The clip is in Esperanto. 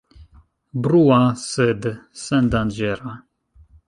Brua, sed sendanĝera.